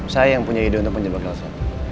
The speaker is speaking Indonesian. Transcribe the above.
saya yang punya ide untuk menjebak elsa